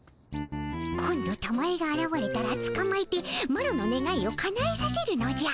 今度たまえがあらわれたらつかまえてマロのねがいをかなえさせるのじゃ。